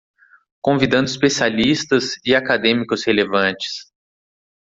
Convidando especialistas e acadêmicos relevantes